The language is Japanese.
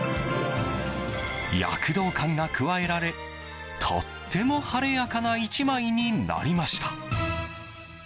躍動感が加えられとっても晴れやかな１枚になりました。